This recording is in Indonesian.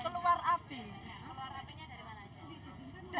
keluar apinya dari mana aja